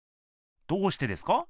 どうしてですか？